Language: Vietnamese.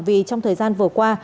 vì trong thời gian vừa qua